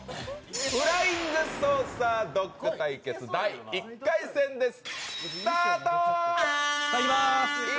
フライングソーサードッグ対決第１回戦です。